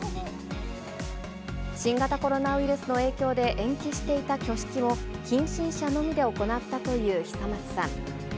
新型コロナウイルスの影響で延期していた挙式を、近親者のみで行ったという久松さん。